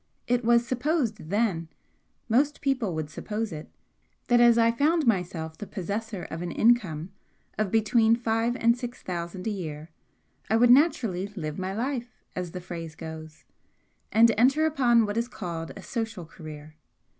It was supposed then most people would suppose it that as I found myself the possessor of an income of between five and six thousand a year, I would naturally 'live my life,' as the phrase goes, and enter upon what is called a social career.